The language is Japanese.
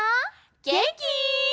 げんき？